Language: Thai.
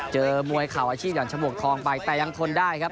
เจอมวยเข่าอาชีพอย่างฉมวกทองไปแต่ยังทนได้ครับ